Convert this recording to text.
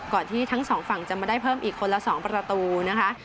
ที่ทั้งสองฝั่งจะมาได้เพิ่มอีกคนละ๒ประตูนะคะ